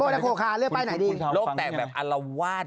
โลกแตกแบบอารวาด